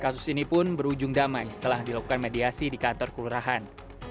kasus ini pun berujung damai setelah dilakukan mediasi di kantor kelurahan